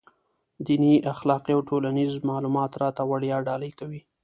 دیني، اخلاقي او ټولنیز معلومات راته وړيا ډالۍ کوي.